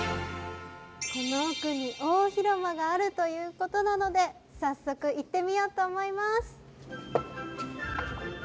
この奥に大広間があるということなので、早速行ってみようと思います。